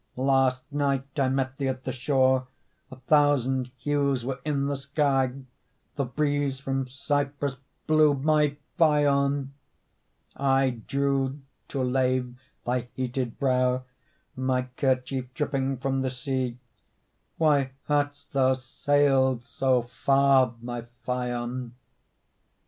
Last night I met thee at the shore, A thousand hues were in the sky; The breeze from Cyprus blew, my Phaon! I drew, to lave thy heated brow, My kerchief dripping from the sea; Why hadst thou sailed so far, my Phaon?